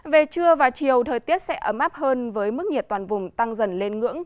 về trưa và chiều thời tiết sẽ ấm áp hơn với mức nhiệt toàn vùng tăng dần lên ngưỡng